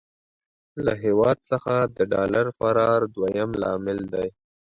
له هېواد څخه د ډالر فرار دويم لامل دی.